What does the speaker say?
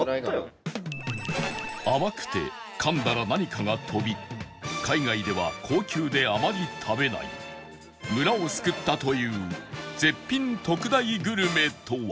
甘くて噛んだら何かが飛び海外では高級であまり食べない村を救ったという絶品特大グルメとは？